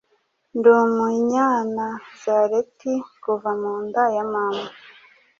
ndi Umunyanazareti kuva mu nda ya mama.